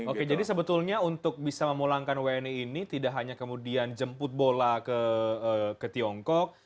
oke jadi sebetulnya untuk bisa memulangkan wni ini tidak hanya kemudian jemput bola ke tiongkok